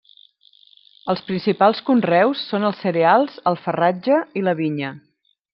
Els principals conreus són els cereals, el farratge i la vinya.